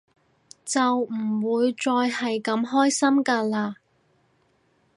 就唔會再係咁開心㗎喇